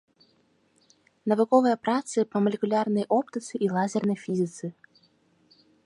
Навуковыя працы па малекулярнай оптыцы і лазернай фізіцы.